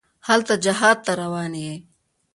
هلته جهاد ته روان یې.